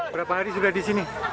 berapa hari sudah di sini